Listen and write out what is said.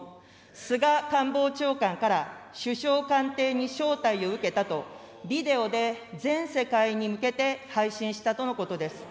菅官房長官から首相官邸に招待を受けたと、ビデオで全世界に向けて配信したとのことです。